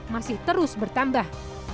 masih terus bertambah